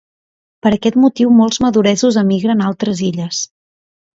Per aquest motiu molts maduresos emigren a altres illes.